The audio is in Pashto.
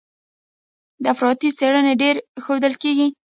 افراطي څېرې ډېرې ښودل کېږي.